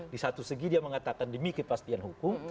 di satu segi dia mengatakan demi kepastian hukum